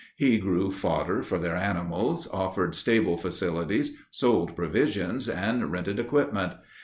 He grew fodder for their animals, offered stable facilities, sold provisions, and rented equipment.